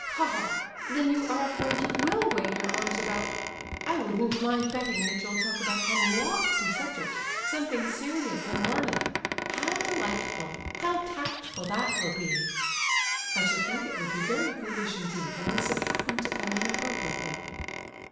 "Ha, ha! Then you are afraid you will wave your arms about! I wouldn't mind betting that you'll talk about some lofty subject, something serious and learned. How delightful, how tactful that will be!" "I should think it would be very foolish indeed, unless it happened to come in appropriately."